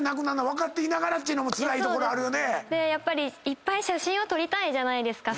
いっぱい写真を撮りたいじゃないですか。